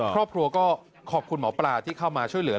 ครอบครัวก็ขอบคุณหมอปลาที่เข้ามาช่วยเหลือ